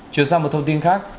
chuyển sang một thông tin khác